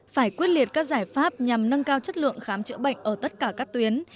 phải quyết liệt các giải pháp nhằm nâng cao chất lượng khám chữa bệnh ở tất cả các tuyến